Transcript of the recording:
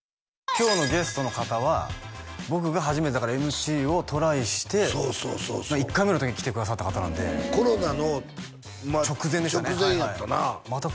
今日のゲストの方は僕が初めてだからＭＣをトライしてそうそうそうそう１回目の時に来てくださった方なんでコロナの直前やったな直前でしたね